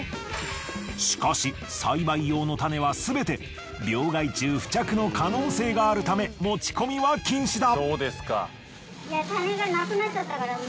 しかし栽培用の種はすべて病害虫付着の可能性があるため持ち込みは禁止だ。